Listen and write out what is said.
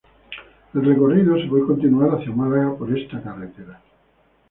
El recorrido se puede continuar hacia Málaga por esta carretera.